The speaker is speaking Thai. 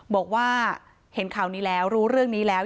บอกว่าเห็นข่าวนี้แล้วรู้เรื่องนี้แล้ว